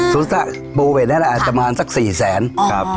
พูดไปนี่แหละอาจจะมีสัก๔๐๐๐๐๐บาท